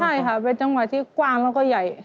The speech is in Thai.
ใช่ค่ะเป็นจังหวะที่กว้างแล้วก็ใหญ่